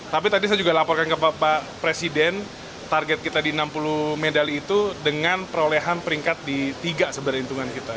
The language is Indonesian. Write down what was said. tapi tadi saya juga laporkan ke bapak presiden target kita di enam puluh medali itu dengan perolehan peringkat di tiga sebenarnya hitungan kita